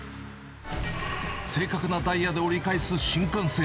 正確なダイヤで折り返す新幹線。